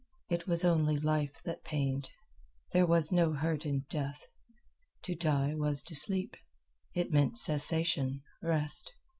It was only life that pained. There was no hurt in death. To die was to sleep. It meant cessation, rest.